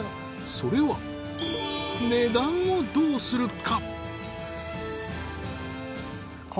それは値段をどうするか？